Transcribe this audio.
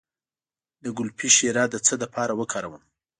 د ګلپي شیره د څه لپاره وکاروم؟